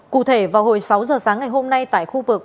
để vào hồi sáu h sáng ngày hôm nay tại khu vực